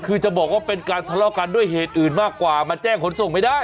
คือจะบอกว่าเป็นการทะเลาะกันด้วยเหตุอื่นมากกว่ามาแจ้งขนส่งไม่ได้